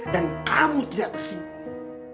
dan kamu tidak tersinggung